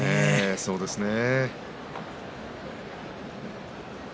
そうですね。